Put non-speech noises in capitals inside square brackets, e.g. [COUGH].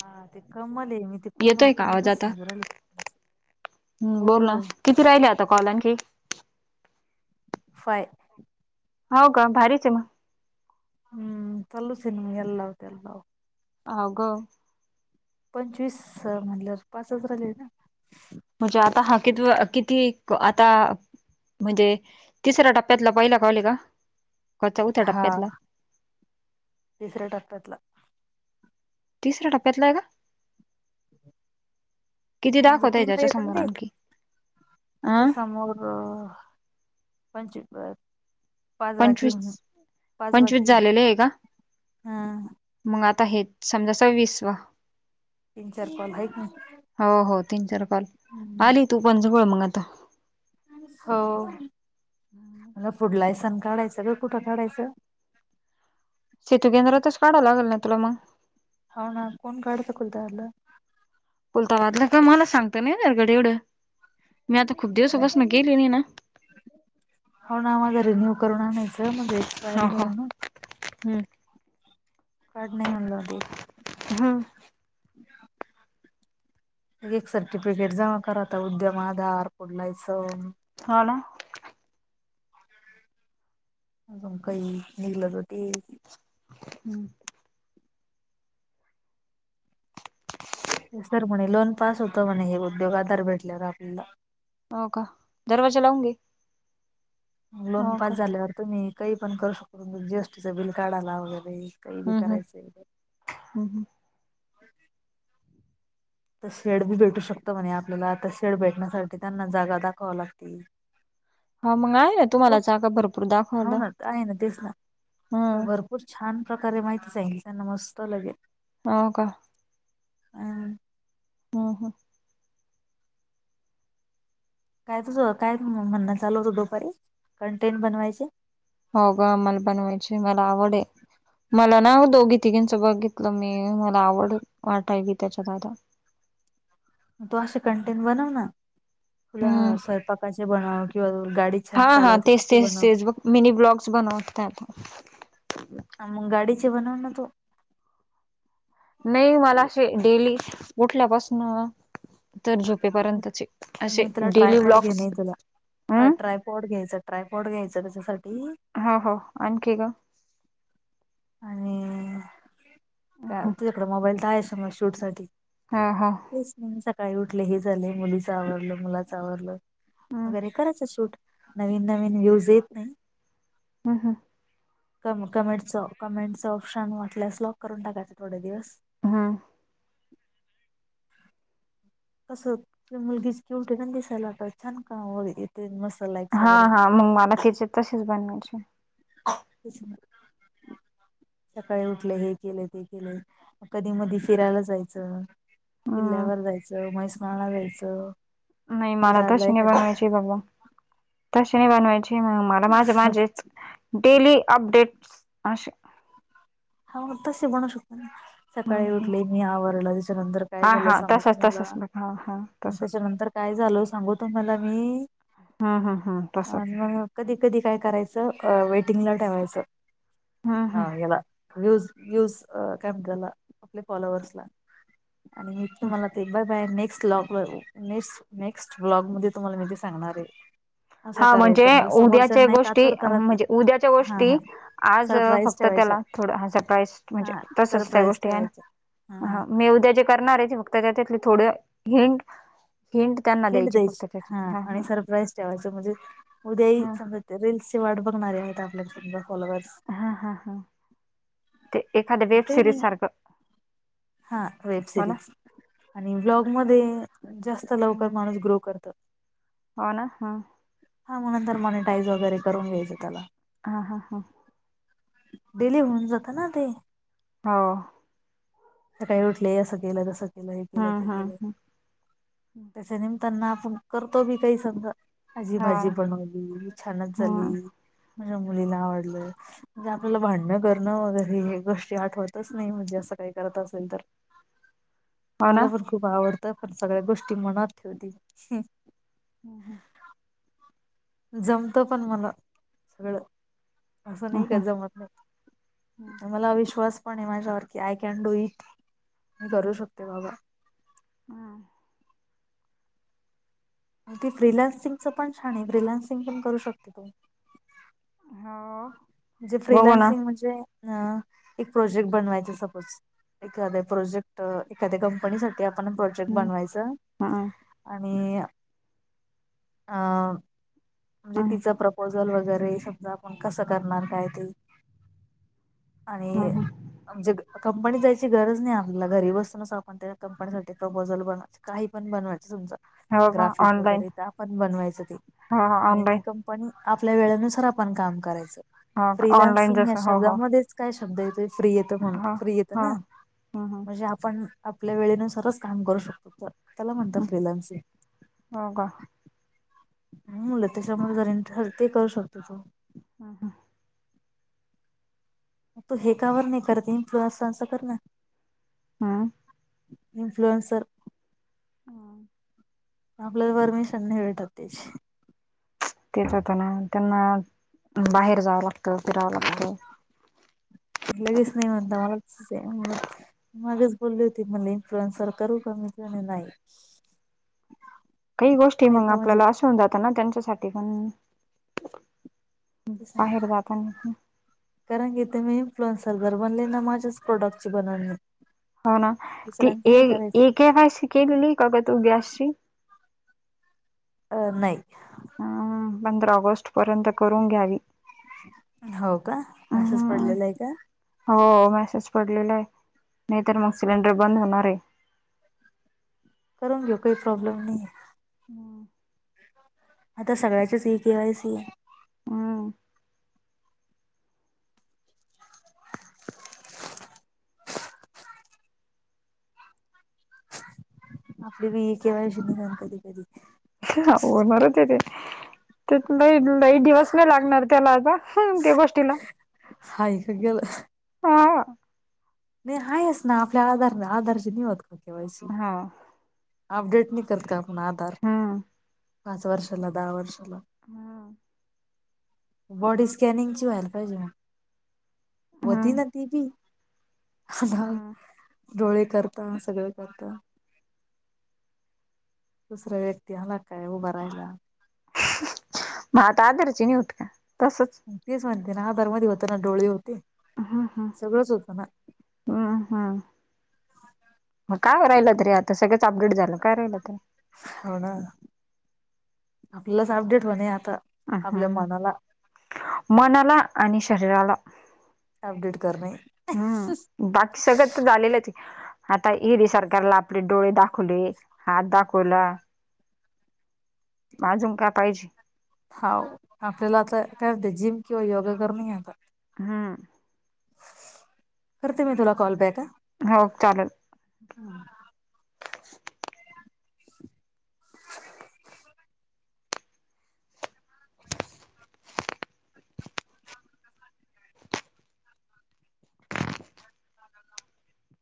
हा ते कमल आहे मी ते कोमल येतोय का आवाज कोमलच आता? सांगू राहिलो हम्म हो बोल ना हो. किती राहिले आता कॉल आणखी? फाय हो का भारीच हे मग, हम्म चालूच हे नवं ह्याला लाव त्याला लाव. हा ग पंचवीस म्हणलं पाचच राहिले ना, म्हणजे आता हा कि किती आता म्हणजे तिसऱ्या टप्प्यातला पहिला कॉल हे का? का चौथ्या हा टप्प्यातला? तिसऱ्या टप्प्यातला. तिसऱ टप्प्यातला आहे का? किती म्हणजे दाखवत आहे तीनदा त्याच्या येत ना समोर ते आणखी, अ त्याच्या समोर, [UNINTELLIGIBLE] पाच बाकी म्हण पंचवीस पाच पंचवीस बाकी झालेले आहे का? हम. मग आता हेच समजा सव्वीसवा तीन चार कॉल आहेत ना. हो हो तीन चार कॉल हम्म, आले [UNINTELLIGIBLE] मग आता. हो मला फुड लायसन काढायंच ग कुठं काढायचं? सेेतू केंद्रातच काढवं लागल ना तुला मग, हो ना कोण काढत [UNINTELLIGIBLE] [UNINTELLIGIBLE] मला सांगत ना गड एवढं मी आता खूप दिवस बसन गेली नाही ना. हो ना माझा रिन्यू करून आणायचं माझं एक्सपायर हो हो झालं ना. हम्म काढ नाही म्हणलवते, हम्म. [INAUDIBLE] एक सर्टिफिकेट जमा करात उद्यम आधार. [UNINTELLIGIBLE] हा ना अजून काही निघलं तर ते हम्म सर म्हणे लोन पास होत म्हणे हे उद्योग आधार भेटल्यावर आपल्याला, हो का, दरवाजा लावून घे. लोन हो का पास झाल्यावर तुम्ही काही पण करु शकता, जी एस टीच बिल काढाला वगैरे, काही विचारायचं काय? हम हम तर शेड बी भेटू शकत म्हणे आपल्याला तर शेड भेटण्यासाठी त्यांना जागा दाखवाव लागती. हा मग आहे ना तुम्हाला जागा भरपूर हो दाखवाला. ना आहे ना तेच ना भरपूर छान प्रकारे माहिती सांगितली त्यांना मस्त लगे हाव का, हं. ह ह... काय तुझं काय म्हण चालू होतं दुपारी? कंटेंट बनवायचे. हो गं मला बनवायची मला आवड आहे. मला ना दोघी- तिघींचा बघितलं मी, मला आवड वाटायला त्याच्या आता. मग असे कंटेन बनव ना, तुला हम्म स्वयंपाकाचे बनव किंवा गाडी छान चालावते त्याचे बनव. मनी ब्लॉग्स बनवते आता. मग गाडीचे बनव न तू. नाही मला असे डेली उठल्यापासून तर झोपेपर्यंतचे असे डेली ब्लॉक्स अ ट्रायपॉड घ्यायचा, ट्रायपॉड घ्यायच त्याच्यासाठी हो हो, आणखी ग? आणि, तुझ्याकडं मोबाईल तर आहे मग शूट साठी. हा हा. तेच सकाळी उठले हे झाले मुलीच आवरलं, मुलाच आवरलं, हम्म वगैरे करायचं शूट. नवीन नवीन व्ह्यूज येतं नाही. ह हं. क कमेंटचं -कमेंटचं ऑप्शन वाटल्यास लॉक करून टाकायचं थोडे दिवस. हा. कसं ती मुलगीच क्यूट दिसायला आता छान का बोलते. [UNINTELLIGIBLE] हा हा, मग मला तिचे तसेच बनवायचे. सकाळी उठले हे केलं, ते केलंय. कधी -मधी फिरायला जायचं, हम्म किल्ल्यावर जायचं. [UNINTELLIGIBLE] नाही मला दादला तशी नाही एखाद्या बनवायची बाबा, तशी नाही बनवायची मग मला माझे माझेच डेली अपडेट्स असे हो ना, तशी बनवू शकतो ना. हम्म सकाळी हम्म उठले मी आवरलं त्याच्यानंतर काय हा झालं हा सांगु तुम्हाला? [UNINTELLIGIBLE] त्याच्यानंतर काय झाल सांगू तुम्हाला मी? ह हा, तसच. आणि मग कधी- कधी काय करायचं वेटिंग ला ठेवायचं, हम्म ह हम्म याला व्ह्यूज, व्ह्यूज, क काय म्हणतेत त्याला आपले फॉलोवर्सला. आणि हे तुम्हाला ते बघ अं नेक्स्ट ब्लॉग वर, नेक्स्ट -नेक्स्ट ब्लॉग मध्ये तुम्हाला मी सांगणार आहे. असं हा म्हणजे करायचं उद्याच्या समोरच्यांना एक गोष्टी आतुरता राहते म्हणजे उद्याचा हा हा गोष्टी आज सरप्राईज फक्त ठेवायच्या त्याला थोड सरप्राई म्हणजे हा तसच त्या सरप्राईज गोष्टी आहे ठेवायच्या हा ना, मी उद्याचा गोष्टी करणार आहे फक्त त्या त्यातले थोड हिंट- हिंट त्यांना द्यायचे फक्त त्याच्या हा. च म्हणजे, उद्याही हा समजा रीलल्सची वाट बघणारे आहेत आपल्याला समजा फॉलोअर्स. हा हा हा, ते एखाद्या वेब काही सिरीज नाही सारखं. हा वेब हो ना. सिरीज आणि ब्लॉग मध्ये जास्त लवकर माणूस ग्रो करत. होना हा. हा मग नंतर मॉनिटाईज वगैरे, करून घ्यायचं त्याला. हा हा हा. डिले होऊन जात ना ते. हो. सकाळी उठले असं केलं, तसं केलं हे केलं ते हम्म हम्म केलं. हम्म. तेच्या निमताना आपण करतो, बी काही समजा. आजी हो भाजी ना. बनवली, छानच झाली. हम्म हम्म माझ्या हम्म. मुलीला आवडलं म्हणजे, हा. आपल्याला भांडण. करणं वगैरे हे गोष्टी आठवतच नाही, म्हणजे असं काही करत असेल तर. हो ना मला पण खूप आवडतं पण, सगळ्या गोष्टी मनात ठेवली. हम हम. जमतं पण मला सगळं. असं हम्म नाही का, हम्म. जमत नाही मला अ विश्वास. पण माझ्यावरती आय कॅन डू इट, मी करू शकते बाबा. अं. ती फ्रिलान्सिंगच पण छान आहे, फ्रीलांन्सिंग पण करू शकते तू. हो बघू ना फ्रिलान्सिंग म्हणजे? अ एक प्रोजेक्ट बनवायचा सपोज. एखाद्या प्रोजेक्ट, एखाद्या कंपनीसाठी आ आपण प्रोजेक्ट हम्म बनवायचं हम्म आणि, आ.. मं. म्हणजे हम्म तिचा प्रपोझल वगैरे, समजा आपण कसं करणार काय ते. आणि, हम्म. म्हणजे कंपनीत जायची गरज नाही आपल्याला, घरी बसूनच आपण ते कंपनीसाठी प्रपोजल बन काही पण बनवायचं तुमचं, हो का ग्राफिक ऑनलाईन वगैरे तर आपण बनवायचं ते. हो हो आणि ती ऑनलाईन कंपनी आपल्या वेळेनुसार आपण काम करायचं, हो का ऑनलाईन फ्रीलान्सिंग या जस हो हो शब्दामध्येच. काय शब्द येतोय फ्री येतो म्हणून, हो फ्री येतं हो ना हम्म हम्म म्हणजे आप आपण आपल्या वेळेनुसारच काम करू शकतो, तर त्याला म्हणतात हम्म. फ्रिलान्सीग. हो का. मुलं त्याच्यामुळे जरी, ते करू शकतो तो. ह ह. मग तू हे का बर नाही करते, इन्फुलरन्स कर ना. हं. इन्फ्लुएन्सर. आ. आपल्याला परमिशन नाही भेटत त्यांची. तेच आता ना, त्यांना बाहेर जावं लागतं फिरावं लागत. लगेच नाही [UNINTELLIGIBLE] मागेच बोली होती मले इनफ्ल्युरन्स करू का, मी चं म्हणले नाही. [INAUDIBLE] काही गोष्टी मग, नाहीत म्हणजे आपल्याला अशा होवून जातं ना त्यांच्यासाठी पण. तसं नाय. बाहेर जाताना कारण की तुमी इन्फ्लुअन्सर बनले ना, माझ्याच प्रोडक्टची बनल मी. हो ना, ती ए ए केवायसी केलेली का गं तू गॅसची. अ नाही. हम्म पंधरा ऑगस्ट पर्यंत करून घ्यावी. हो का असेच हम्म पडलेलाय का? हो मॅसेज पडलेलाय, नाही तर मग सिलेंडर बंद होणारय. करून घेऊ काही प्रॉब्लेम नाही. हम्म. आता सगळ्याचीच ई केवायसीय हम्म. आपली बी ईकेवायशी निगल कधी कधी. होणारचय ती त्यात लयलय दिवस नाही लागणार त्याला आता हा ते गोष्टीला हाय का गेलं हम् नाही आहेच ना आपल्या आधारला आधारशी नाही होत का केवायशी हो. अपडेट नि करत का आपण आधार हम्म पाच वर्षाला दहा वर्ष बर हम्म बॉडी स्कॅनिंगची व्हायला पाहिजे होती ना ती बी. आता हम्म डोळे करता सगळं करता दुसऱ्या व्यक्ती आला काय उभं राहायला. मग आता आदरचीणी होत का तसच. तेच म्हणते ना आधार मध्ये होत ना डोळे होते हम्म हम्म सगळंच होतं ना. हम्म हम्म मग काय राहिल तरी आता सगळंच अपडेट झालं. हला काय राहिल ते हो ना आपल्यालाच अपडेट होणे आता. हम् आपल्या मनाला हम् मनाला आणि शरीराला अपडेट करणे. अ ह हम्म बाकी सगळं तर झालेलंच आहे. आता ईडी सरकारला आपले डोळे दाखवले हात दाखवला. आजून काय पाहिजे. हाव आपल्याला आता कायत जिम किंवा योगा करून घेता हम्म. करते मी तुला कॉल बॅक ह हो चालेल. हम् टड